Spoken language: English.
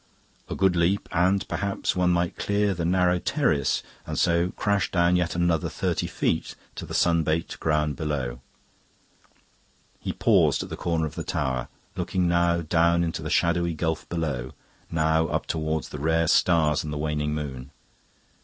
A good leap, and perhaps one might clear the narrow terrace and so crash down yet another thirty feet to the sun baked ground below. He paused at the corner of the tower, looking now down into the shadowy gulf below, now up towards the rare stars and the waning moon.